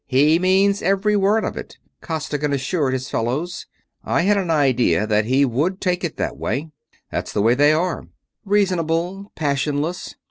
He means every word of it," Costigan assured his fellows. "I had an idea that he would take it that way. That's the way they are. Reasonable; passionless.